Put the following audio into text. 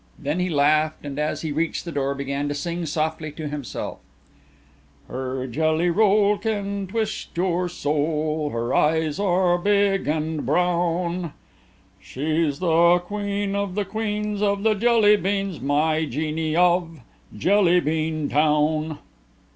Then he laughed and as he reached his door began to sing softly to himself: "_Her Jelly Roll can twist your soul, Her eyes are big and brown, She's the Queen of the Queens of the Jelly beans My Jeanne of Jelly bean Town.